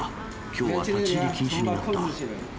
きょうは立ち入り禁止になった。